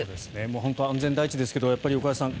本当に安全第一ですが岡安さん